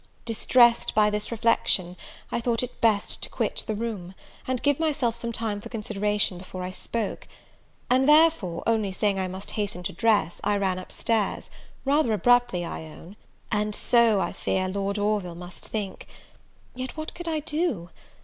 Distressed by this reflection, I thought it best to quit the room, and give myself some time for consideration before I spoke; and therefore, only saying I must hasten to dress, I ran up stairs, rather abruptly I own; and so, I fear, Lord Orville must think. Yet what could I do?